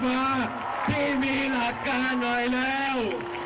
ว่าที่มีหลักการหน่อยแล้ว